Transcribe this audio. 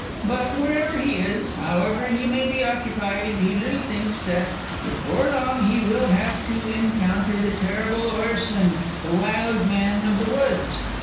But, wherever he is, however he may be occupied, he little thinks that, before long, he will have to encounter the terrible Orson, the Wild Man of the Woods!